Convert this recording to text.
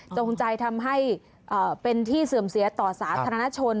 จงใจทำให้เป็นที่เสื่อมเสียต่อสาธารณชน